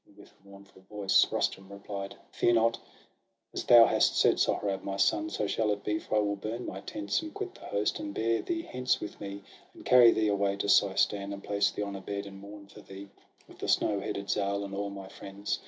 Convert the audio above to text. And, with a mournful voice, Rustum replied: — 'Fear not! as thou hast said, Sohrab, my son. So shall it be; for I will burn my tents, And quit the host, and bear thee hence with me, And carry thee away to Seistan, And place thee on a bed, and mourn for thee, With the snow headed Zal, and all my friends.